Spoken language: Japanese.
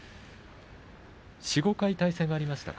４、５回対戦がありましたか。